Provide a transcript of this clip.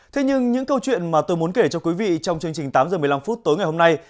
thế nhưng những câu chuyện mà tôi muốn kể cho quý vị trong chương trình tám h một mươi năm phút tối ngày hôm nay